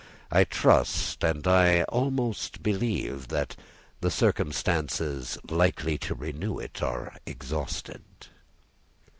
I trust, and I almost believe, that the circumstances likely to renew it are exhausted."